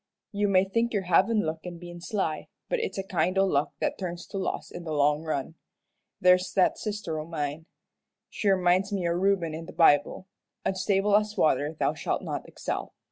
You may think you're havin' luck in bein' sly, but it's a kind o' luck that turns to loss in the long run. There's that sister o' mine. She reminds me o' Reuben in the Bible 'unstable as water thou shalt not excel.'